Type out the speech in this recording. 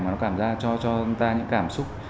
mà nó cảm ra cho người ta những cảm xúc